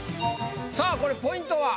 さぁこれポイントは？